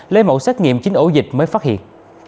lấy mẫu xét nghiệm chín ổ dịch mới phát hiện